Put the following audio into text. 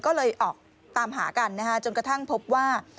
ก็เลยออกตามหากันนะฮะจนกระทั่งพบว่า